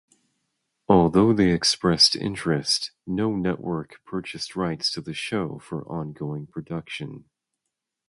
Although they expressed interest, no network purchased rights to the show for ongoing production.